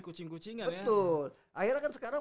kucing kucingan ya betul akhirnya kan sekarang